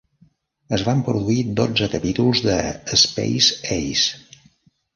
Es van produir dotze capítols de "Space Ace".